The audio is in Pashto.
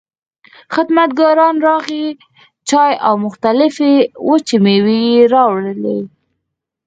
خدمتګاران راغلل، چای او مختلفې وچې مېوې يې راوړې.